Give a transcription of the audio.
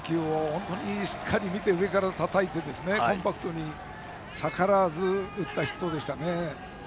本当にしっかり見て上からたたいてコンパクトに逆らわずに打ったヒットでしたね。